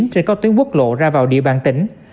trên các tuyến quốc lộ ra vào địa bàn tỉnh